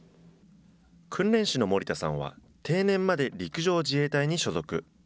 訓練士の森田さんは、定年まで陸上自衛隊に所属。